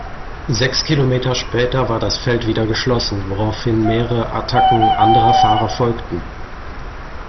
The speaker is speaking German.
Sechs Kilometer später war das Feld wieder geschlossen, woraufhin mehrere Attacken anderer Fahrer folgten.